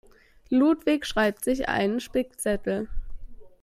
Ludwig schreibt sich einen Spickzettel.